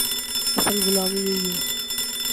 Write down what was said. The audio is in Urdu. اصل غلامی یہی ہے۔